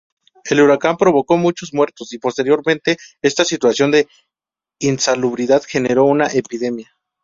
El huracán provocó muchos muertos y, posteriormente, esta situación de insalubridad generó una epidemia.